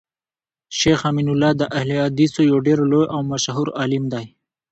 شيخ امین الله د اهل الحديثو يو ډير لوی او مشهور عالم دی